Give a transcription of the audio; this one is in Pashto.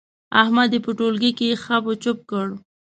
احمد يې په ټولګي کې خپ و چپ کړ.